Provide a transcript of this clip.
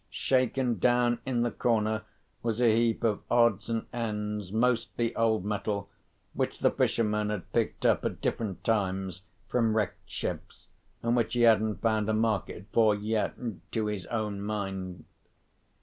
Shaken down in the corner was a heap of odds and ends (mostly old metal), which the fisherman had picked up at different times from wrecked ships, and which he hadn't found a market for yet, to his own mind.